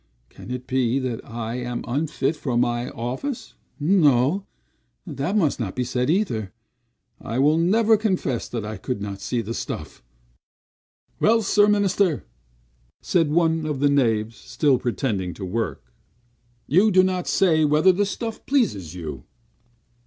Can it be, that I am unfit for my office? No, that must not be said either. I will never confess that I could not see the stuff." "Well, Sir Minister!" said one of the knaves, still pretending to work. "You do not say whether the stuff pleases you."